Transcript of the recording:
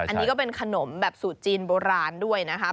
อันนี้ก็เป็นขนมแบบสูตรจีนโบราณด้วยนะครับ